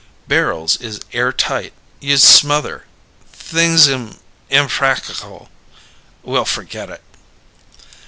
"Barrels is air tight. You'd smother. Thing's im impracac'l. We'll forget it."